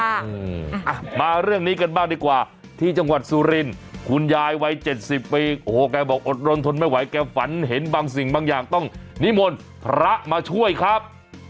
อ่ะมาเรื่องนี้กันบ้างดีกว่าที่จังหวัดสุรินทร์คุณยายวัยเจ็ดสิบปีโอ้โหแกบอกอดรนทนไม่ไหวแกฝันเห็นบางสิ่งบางอย่างต้องนิมนต์พระมาช่วยครับ